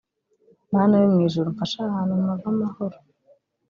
« Mana yo mu ijuru umfashe aha hantu mpave amahoro